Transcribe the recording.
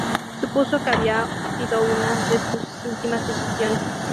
Supuso que había sido una de sus últimas decisiones.